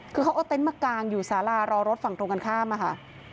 คือเขาเอาเต็นต์มากางอยู่สารารอรถฝั่งตรงกันข้ามอะค่ะ